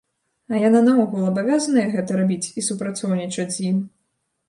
А яна наогул абавязаная гэта рабіць і супрацоўнічаць з ім?